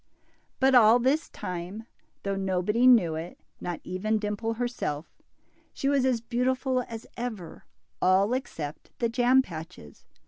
But all this time, though nobody knew it, not even Dimple herself, she was as beautiful as ever, all except the jam patches.